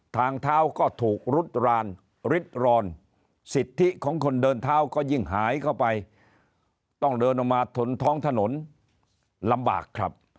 ทางเท้าก็ถูกรุดรานริดรอนสิทธิของคนเดินเท้าก็ยิ่งหายเข้าไปต้องเดินออกมาทนท้องถนนลำบากครับ